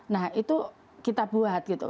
nah itu kita buat gitu